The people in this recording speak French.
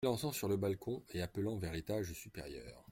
S’élançant sur le balcon et appelant vers l’étage supérieur.